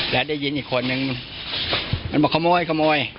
แล้วได้ยินอีกคนนึงมันบอกขโมยขโมย